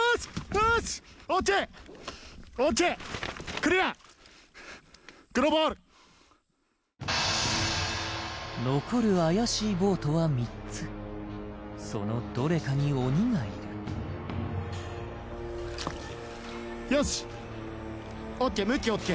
クリア黒ボール残る怪しいボートは３つそのどれかに鬼がいるよしＯＫ